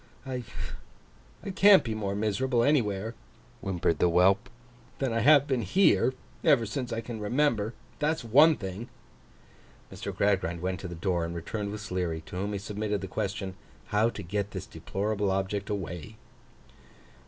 I can't be more miserable anywhere,' whimpered the whelp, 'than I have been here, ever since I can remember. That's one thing.' Mr. Gradgrind went to the door, and returned with Sleary, to whom he submitted the question, How to get this deplorable object away?